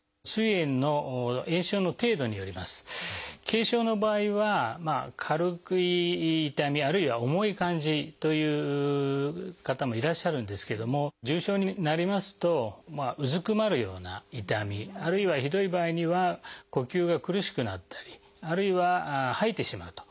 軽症の場合は軽い痛みあるいは重い感じという方もいらっしゃるんですけども重症になりますとうずくまるような痛みあるいはひどい場合には呼吸が苦しくなったりあるいは吐いてしまうと。